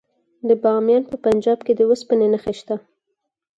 د بامیان په پنجاب کې د وسپنې نښې شته.